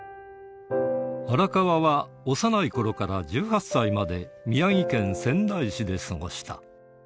荒川は、幼いころから１８歳まで、宮城県仙台市で過ごした。